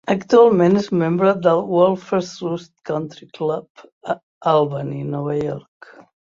Actualment és membre del Wolferts Roost Country Club a Albany, Nova York.